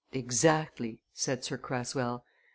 "Exactly," said Sir Cresswell.